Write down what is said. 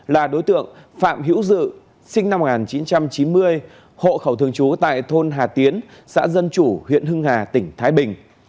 là đối tượng phạm hữu dự sinh năm một nghìn chín trăm chín mươi hộ khẩu thường trú tại thôn hà tiến xã dân chủ huyện hưng hà tỉnh thái bình